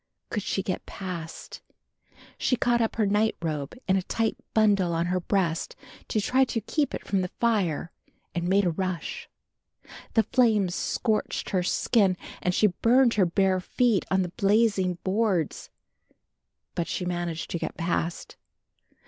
Could she get past? She caught up her nightrobe in a tight bundle on her breast to try to keep it from the fire and made a rush. The flames scorched her skin and she burned her bare feet on the blazing boards. But she managed to get past.